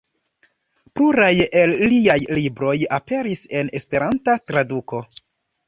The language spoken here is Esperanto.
Pluraj el liaj libroj aperis en Esperanta traduko.